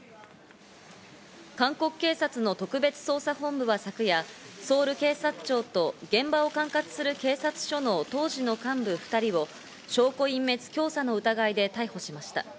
韓国警察の特別捜査本部は昨夜、ソウル警察庁と現場を管轄する警察署の当時の幹部２人を証拠隠滅教唆の疑いで逮捕しました。